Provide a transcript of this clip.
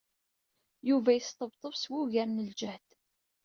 Yuba yesṭebṭeb s wugar n ljehd.